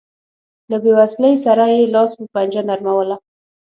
له بېوزلۍ سره یې لاس و پنجه نرموله.